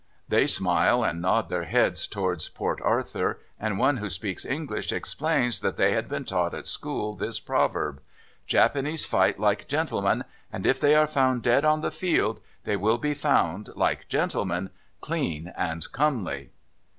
They smile and nod their heads towards Port Arthur, and one who speaks English explains that they had been taught at school this proverb: "Japanese fight like gentlemen, and if they are found dead on the field, they will be found like gentlemen, clean and comely."